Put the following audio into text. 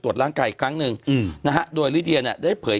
คือคือคือคือคือ